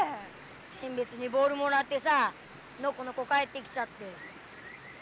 せん別にボールもらってさのこのこ帰ってきちゃって。